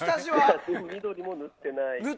緑も塗ってない。